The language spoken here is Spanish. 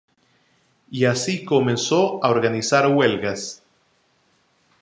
Y así comenzó a organizar huelgas.